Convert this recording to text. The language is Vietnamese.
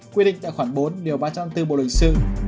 quyết định tại khoảng bốn điều ba trăm linh bốn bộ luyện sư